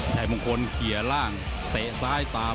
ชัยมงคลเกียร์ล่างเตะซ้ายตาม